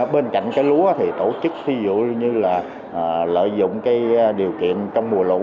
bên cạnh cái lúa thì tổ chức ví dụ như là lợi dụng cái điều kiện trong mùa lũ